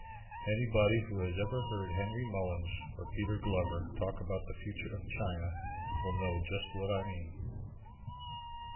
Anybody who has ever heard Henry Mullins and Peter Glover talk about the future of China will know just what I mean.